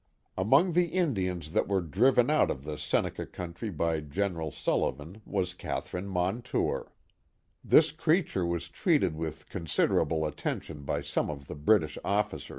Among the Indians that were driven out of the Seneca country by General Sullivan was Catherine Montour. This 2i8 The Mohawk Va!Icy creature was treated «ith considerable attention by some of the Bnttsh oflicer>.